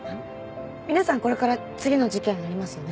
皆さんこれから次の事件がありますよね？